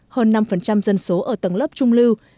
hơn năm dân số ở tầng lớp trung lưu